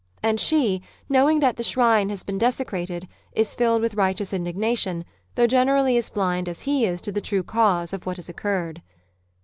And she, knowing that the shrine has been desecrated, is filled with righteous indigna tion, though generally as blind as he is to the true cause of what has occurred.